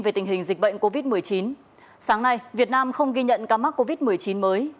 về tình hình dịch bệnh covid một mươi chín sáng nay việt nam không ghi nhận ca mắc covid một mươi chín mới